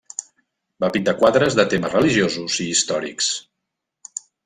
Va pintar quadres de temes religiosos i històrics.